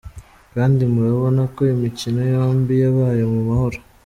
Kandi murabona ko imikino yombi yabaye mu mahoro.”